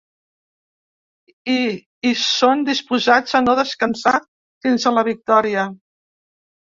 I hi són disposats a no descansar fins a la victòria.